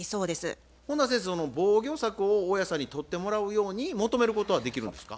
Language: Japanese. その防御策を大家さんにとってもらうように求めることはできるんですか？